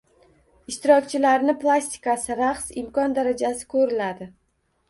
Ishtirokchilarni plastikasi raqs imkon darajasi ko‘riladi.